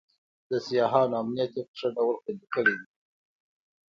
د سیاحانو امنیت یې په ښه ډول خوندي کړی دی.